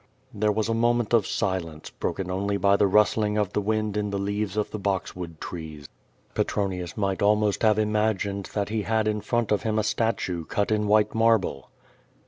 There was a moment of silence, broken only by the rustling of the wind in the leaves of the boxwood trees. Petronius might almost have imagined that he had in front of him a statue cut in white marble.